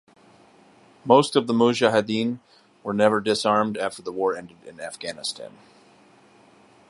Most of the mujahideen were never disarmed after the war ended in Afghanistan.